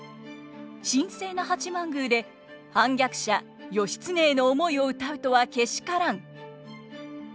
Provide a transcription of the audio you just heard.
「神聖な八幡宮で反逆者義経への思いを歌うとはけしからん」。